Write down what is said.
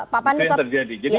bagaimana yang terjadi